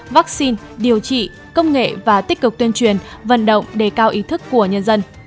vaccine điều trị công nghệ và tích cực tuyên truyền vận động đề cao ý thức của nhân dân